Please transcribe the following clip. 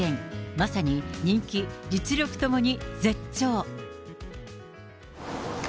まさに人気、実力ともに絶頂。